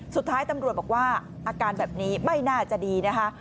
สุดท้ายตำรวจบอกว่าอาการแบบนี้ไม่น่าจะดีนะคะ